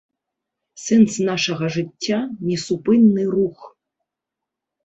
Сэнс нашага жыцця — несупынны рух